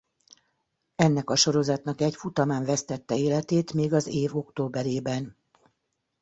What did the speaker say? Ennek a sorozatnak egy futamán vesztette életét még az év októberében.